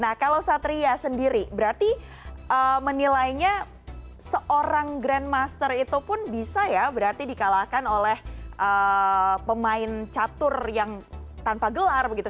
nah kalau satria sendiri berarti menilainya seorang grandmaster itu pun bisa ya berarti dikalahkan oleh pemain catur yang tanpa gelar begitu